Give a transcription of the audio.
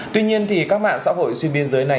tuy nhiên các mạng xã hội xuyên biên giới này